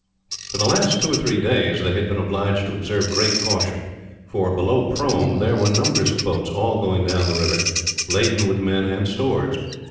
For the last two or three days they had been obliged to observe great caution for, below Prome, there were numbers of boats all going down the river laden with men and stores.